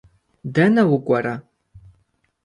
Дэнэ укӏуэрэ?